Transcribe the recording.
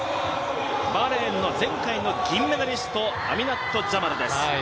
バーレーンの前回の銀メダリストアミナット・ジャマルです。